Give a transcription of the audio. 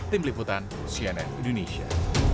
tim liputan cnn indonesia